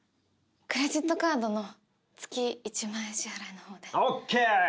クレジットカードの月１万円支払いのほうでＯＫ！